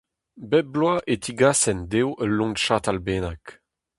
Bep bloaz e tigasent dezho ul loen-chatal bennak.